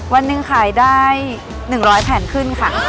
วันหนึ่งขายได้๑๐๐แผ่นขึ้นค่ะ